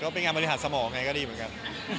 เป็นงานบริหารสมองไงก็ดีเหมือนกัน